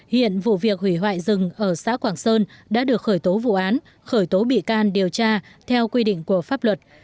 hiện vụ việc hủy hoại rừng ở xã quảng sơn đã được khởi tố vụ án khởi tố bị can điều tra theo quy định của pháp luật